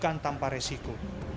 tapi bukan tanpa resiko